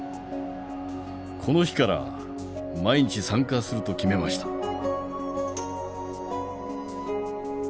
この日から毎日参加すると決めました。